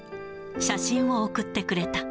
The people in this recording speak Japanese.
写真を送ってくれた。